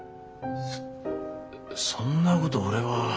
そそんなこと俺は。